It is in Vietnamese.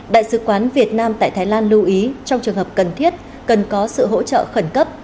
đại sứ quán việt nam tại thái lan lưu ý trong trường hợp cần thiết cần có sự hỗ trợ khẩn cấp